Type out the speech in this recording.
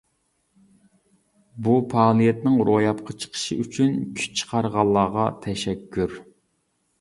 بۇ پائالىيەتنىڭ روياپقا چىقىشى ئۈچۈن كۈچ چىقارغانلارغا تەشەككۈر!